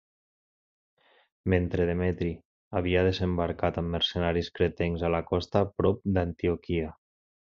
Mentre Demetri havia desembarcat amb mercenaris cretencs a la costa prop d'Antioquia.